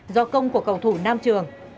do công của cầu thủ nam trường